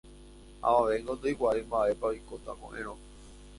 Avavéngo ndoikuaái mba'épa oikóta ko'ẽrõ.